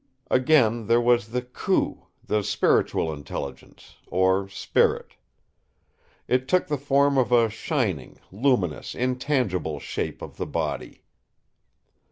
Again there was the 'Khu', the 'spiritual intelligence', or spirit. It took the form of 'a shining, luminous, intangible shape of the body.